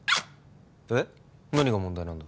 えっ何が問題なんだ？